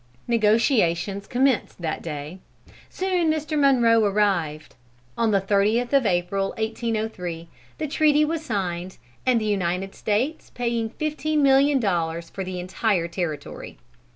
Negotiations commenced that day. Soon Mr. Munroe arrived. On the 30th of April, 1803, the treaty was signed, the United States paying fifteen million dollars for the entire territory.